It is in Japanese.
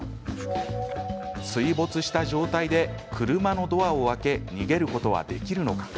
水没した状態で、車のドアを開け逃げることはできるのか。